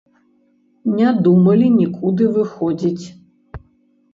Не думалі нікуды выходзіць.